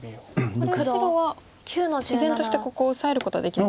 これ白は依然としてここをオサえることはできない。